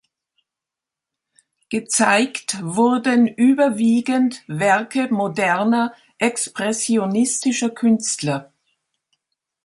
Gezeigt wurden überwiegend Werke moderner, expressionistischer Künstler.